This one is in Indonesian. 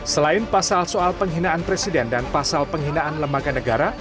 selain pasal soal penghinaan presiden dan pasal penghinaan lembaga negara